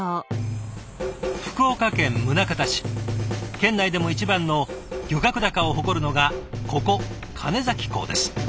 県内でも一番の漁獲高を誇るのがここ鐘崎港です。